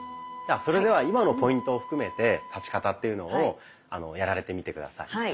それでは今のポイントを含めて立ち方というのをやられてみて下さい。